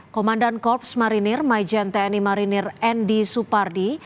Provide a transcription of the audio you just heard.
komandan korps marinir maijen tni marinir endi supardi